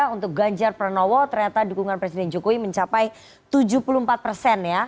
untuk ganjar pranowo ternyata dukungan presiden jokowi mencapai tujuh puluh empat persen ya